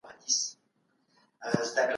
دا ټول بدلونونه د علم په وسیله وڅیړل سول.